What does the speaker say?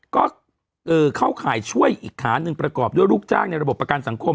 ก็เข้าข่ายช่วยอีกขาหนึ่งประกอบด้วยลูกจ้างในระบบประกันสังคม